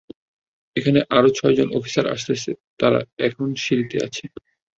এখানে আরও ছয়জন অফিসার আসতেছে, তারা এখন সিড়িতে আছে।